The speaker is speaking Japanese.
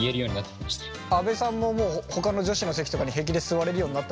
阿部さんももうほかの女子の席とかに平気で座れるようになった？